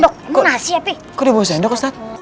kok di bawah sendok ustadz